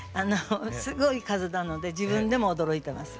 すごい数なので自分でも驚いてます。